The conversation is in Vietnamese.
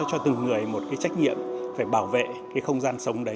cho từng người một cái trách nhiệm phải bảo vệ cái không gian sống đấy